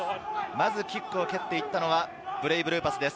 まずキックを蹴って行ったのはブレイブルーパスです。